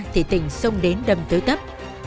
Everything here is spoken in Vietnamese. thì tình xông đến đâm tới tấp